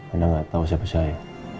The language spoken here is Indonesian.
anda nggak tahu siapa saya